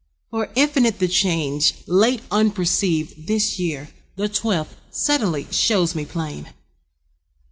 For infinite The change, late unperceived, this year, The twelfth, suddenly, shows me plain.